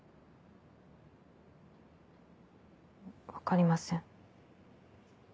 分かりません。